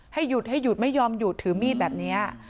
ให้หยุดให้หยุดไม่ยอมหยุดถือมีดแบบนี้